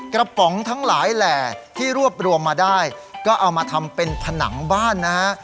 กระป๋องทั้งหลายแหล่ที่รวบรวมมาได้ก็เอามาทำเป็นผนังบ้านนะฮะ